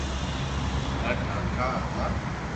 مارا ڪاڪا ھتا